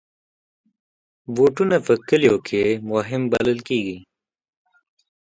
بوټونه په کلیو کې هم مهم بلل کېږي.